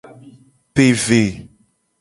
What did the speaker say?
Pe ve.